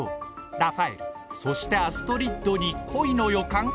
ラファエルそしてアストリッドに恋の予感？